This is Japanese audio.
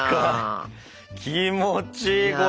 気持ちいいこれ。